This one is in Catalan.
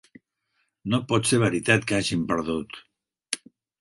No pot ser veritat que hàgim perdut.